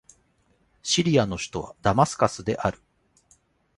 シリアの首都はダマスカスである